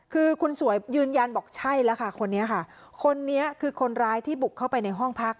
คือคุณสวยยืนยันบอกใช่แล้วค่ะคนนี้ค่ะคนนี้คือคนร้ายที่บุกเข้าไปในห้องพัก